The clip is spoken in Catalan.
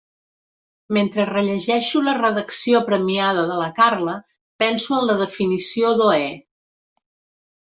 Mentre rellegeixo la redacció premiada de la Carla penso en la definició d'Oé.